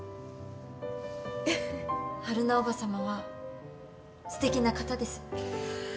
春菜叔母さまはすてきな方です。